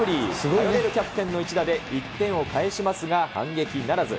頼れるキャプテンの一打で１点を返しますが、反撃ならず。